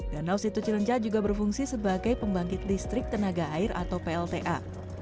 danau situ cilenca juga berfungsi sebagai pembangkit listrik tenaga air atau plta